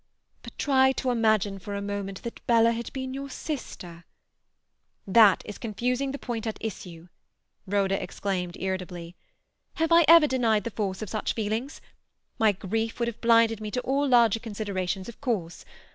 But try to imagine for a moment that Bella had been your sister—" "That is confusing the point at issue," Rhoda exclaimed irritably. "Have I ever denied the force of such feelings? My grief would have blinded me to all larger considerations, of course.